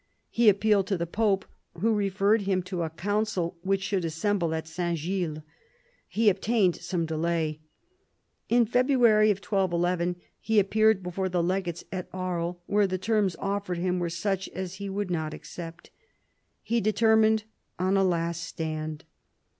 He appealed to the pope, who referred him to a council which should assemble at S. Gilles. He obtained some delay. In February 1211 he appeared before the legates at Aries, where the terms offered him were such as he would not accept. He determined on a last stand.